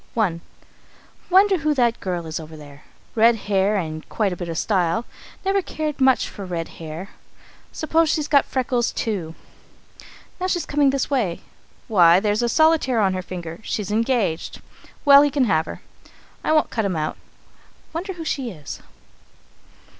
I. "Wonder who that girl is over there? Red hair and quite a bit of style. Never cared much for red hair suppose she's got freckles too. Now she's coming this way. Why, there's a solitaire on her finger; she's engaged. Well, he can have her I won't cut him out. Wonder who she is!